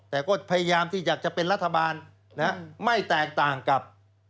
แต่ก็พยายามที่อยากจะเป็นรัฐบาลไม่แตกต่างกับ